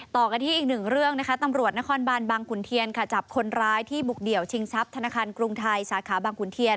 ต่อกันที่อีกหนึ่งเรื่องนะคะตำรวจนครบานบางขุนเทียนค่ะจับคนร้ายที่บุกเดี่ยวชิงทรัพย์ธนาคารกรุงไทยสาขาบางขุนเทียน